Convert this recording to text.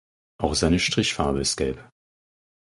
Auch seine Strichfarbe ist gelb.